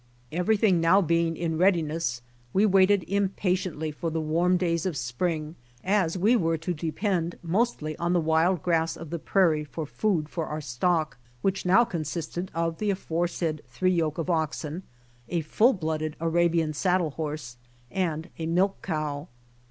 EA'erything being now in readiness, we waited impatiently for the warm days of spring, as we were to depend mostly on the wild grass of the prairie for food for our stock which now consisted of the afore said three yoke of oxen, a full blooded Arabian saddle horse and a milch cow.